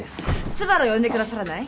スバルを呼んでくださらない？